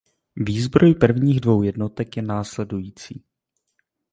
Výzbroj prvních dvou jednotek je následující.